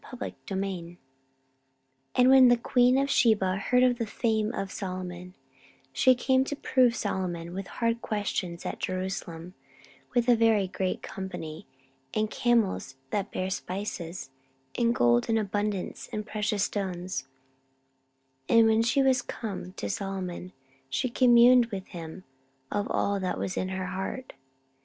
14:009:001 And when the queen of Sheba heard of the fame of Solomon, she came to prove Solomon with hard questions at Jerusalem, with a very great company, and camels that bare spices, and gold in abundance, and precious stones: and when she was come to Solomon, she communed with him of all that was in her heart.